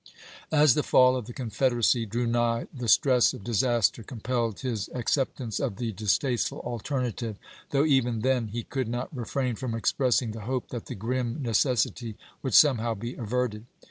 As the fall of the Confederacy drew nigh the stress of disaster compelled his acceptance of the distaste ful alternative, though even then he could not refrain from expressing the hope that the gi'im necessity would somehow be averted.